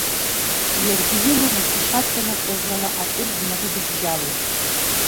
Иаргьы, иламыс ишаҵанакуаз ала, акыр днарыдыбжьалеит.